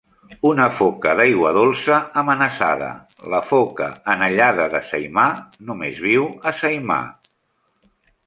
Una foca d'aigua dolça amenaçada, la foca anellada de Saimaa, només viu a Saimaa.